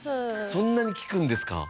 そんなに聞くんですか？